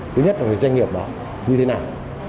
thứ nhất là về doanh nghiệp đó như thế nào